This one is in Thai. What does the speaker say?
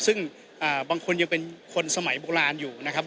ซึ่งบางคนยังเป็นคนสมัยโบราณอยู่นะครับ